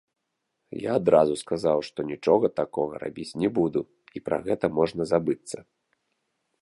Я адразу сказаў, што нічога такога рабіць не буду і пра гэта можна забыцца.